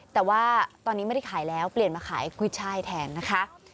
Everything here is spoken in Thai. แต่ว่าตอนนี้ไม่ได้ขายแล้วเปลี่ยนมาขายกุ้ยช่ายแทนนะคะ